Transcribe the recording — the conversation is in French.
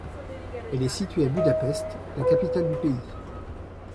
Elle est située à Budapest, la capitale du pays.